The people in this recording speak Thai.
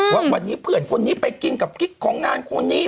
ว่าวันนี้เพื่อนคนนี้ไปกินกับกิ๊กของงานคนนี้